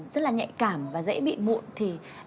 rất là nhạy cảm và dễ bị mụn